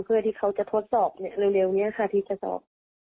เพื่อที่เขาจะทดสอบเร็วนี้ค่ะที่จะสอบ